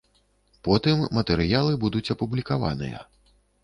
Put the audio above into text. Потым матэрыялы будуць апублікаваныя.